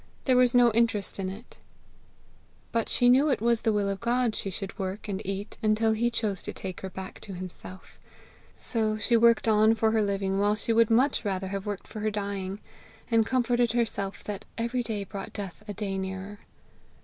there was no interest in it! But she knew it was the will of God she should work and eat until he chose to take her back to himself; so she worked on for her living while she would much rather have worked for her dying; and comforted herself that every day brought death a day nearer.